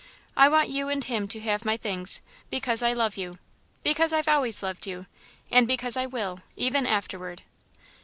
I want you and him to have my things, because I love you because I've always loved you, and because I will even afterward."